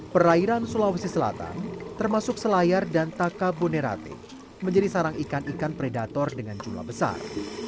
perairan sulawesi selatan termasuk selayar dan taka bonerate menjadi sarang ikan ikan predator dengan jumlah besar